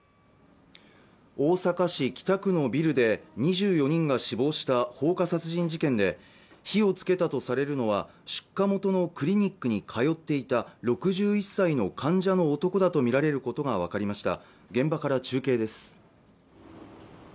大阪市北区のビルで２４人が死亡した放火殺人事件で火をつけたとされるのは出火元のクリニックにかよっていた６１歳の患者の男だと見られることが分かりました現場から中継です